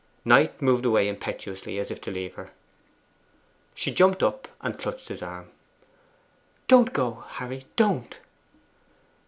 Knight moved away impetuously as if to leave her. She jumped up and clutched his arm 'Don't go, Harry don't!